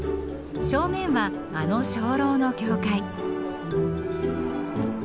正面はあの鐘楼の教会。